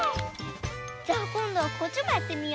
じゃあこんどはこっちもやってみよう。